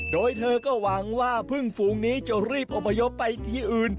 โดยเธอก็หวังว่าพึ่งฝูงนี้จะรีบอบพยพไปที่อื่น